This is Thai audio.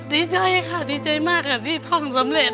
ดีใจค่ะดีใจมากค่ะที่ท่องสำเร็จ